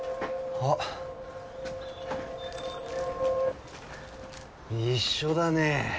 あっ一緒だね